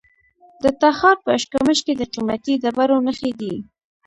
د تخار په اشکمش کې د قیمتي ډبرو نښې دي.